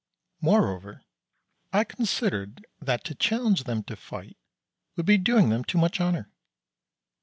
Moreover, I considered that to challenge them to fight would be doing them too much honour.